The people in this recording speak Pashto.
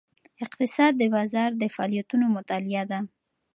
اقتصاد د بازار د فعالیتونو مطالعه ده.